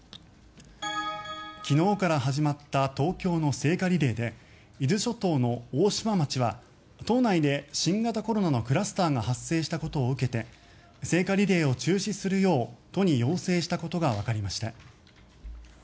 昨日から始まった東京の聖火リレーで伊豆諸島の大島町は島内で新型コロナのクラスターが発生したことを受けて聖火リレーを中止するよう都に要請したことがわかりました。